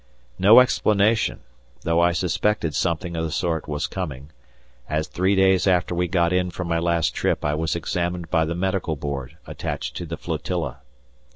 No explanation, though I suspected something of the sort was coming, as three days after we got in from my last trip I was examined by the medical board attached to the flotilla.